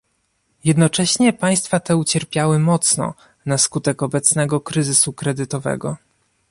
Jednocześnie państwa te ucierpiały mocno na skutek obecnego kryzysu kredytowego